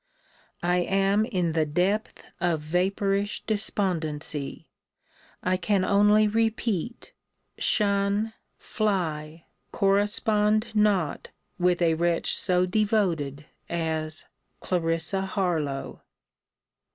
I am in the depth of vapourish despondency. I can only repeat shun, fly, correspond not with a wretch so devoted as CL. HARLOWE.